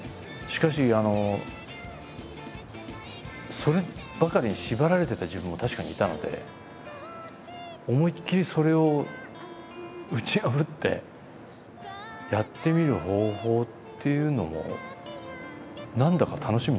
しかしそればかりに縛られてた自分も確かにいたので思いっきりそれを打ち破ってやってみる方法っていうのも何だか楽しみになりました。